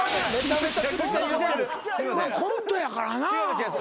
コントやからなぁ。